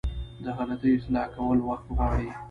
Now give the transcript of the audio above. د غلطي اصلاح کول وخت غواړي.